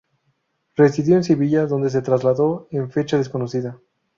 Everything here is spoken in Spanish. Residió en Sevilla, donde se trasladó en fecha desconocida.